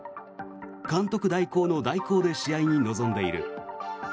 監督代行の代行で試合に臨んでいる。